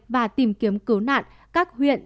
và tìm kiếm cố nạn các huyện